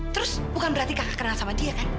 terus bukan berarti kakak kenal sama dia kan